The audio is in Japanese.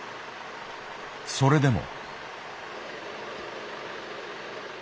それでも。